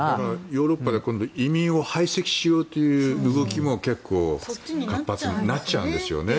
ヨーロッパで今度移民を排斥しようという動きも結構活発になっちゃうんですよね。